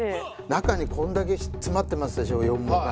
中にこんだけ詰まってますでしょ羊毛が。